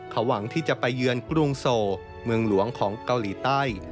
เขาหวังที่จะไปเยือนกรุงโซเมืองหลวงของเกาหลีใต้